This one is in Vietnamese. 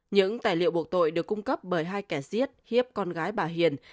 những tài liệu buộc tội được cung cấp bởi hai kẻ giết con gái bà hiền